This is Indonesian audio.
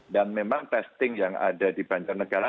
dan memang testing yang ada di banjarnegara